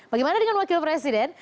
bagaimana dengan wakil presiden